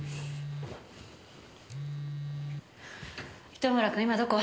糸村君今どこ？